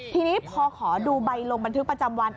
ทีนี้พอขอดูใบลงบันทึกประจำวัน